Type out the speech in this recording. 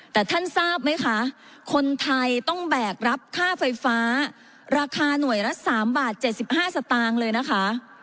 แต่ท่านทราบไหมคะคนไทยต้องแบกรับค่าไฟฟ้าราคาหน่วยละ๓บาท๗๕สตางค์เลยนะคะ